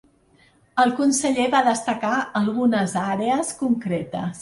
El conseller va destacar algunes àrees concretes.